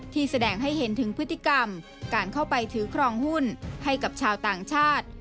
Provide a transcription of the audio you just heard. แสดงให้เห็นถึงพฤติกรรมการเข้าไปถือครองหุ้นให้กับชาวต่างชาติ